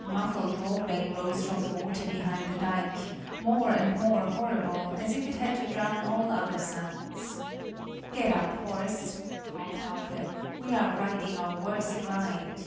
A muffled roaring rose from the water behind the dike, more and more horrible, as if it had to drown all other sounds. "Get up, horse!" called Hauke, "we are riding our worst ride."